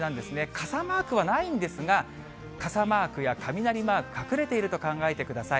傘マークはないんですが、傘マークや雷マーク、隠れていると考えてください。